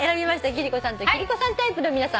貴理子さんと貴理子さんタイプの皆さん